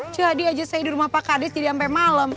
jadi aja saya di rumah pak kades jadi sampe malem